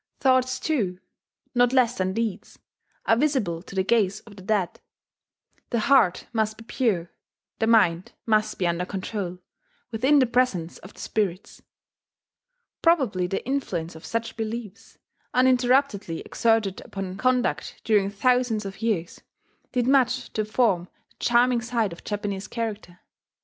Thoughts too, not less than deeds, are visible to the gaze of the dead: the heart must be pure, the mind must be under control, within the presence of the spirits. Probably the influence of such beliefs, uninterruptedly exerted upon conduct during thousands of years, did much to form the charming side of Japanese character.